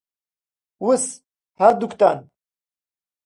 وس، هەردووکتان.